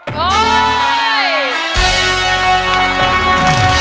ร้องผิดครับ